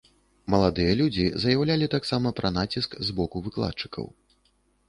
Маладыя людзі заяўлялі таксама пра націск з боку выкладчыкаў.